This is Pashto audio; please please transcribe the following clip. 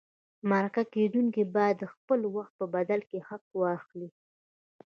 مرکه کېدونکی باید د خپل وخت په بدل کې حق واخلي.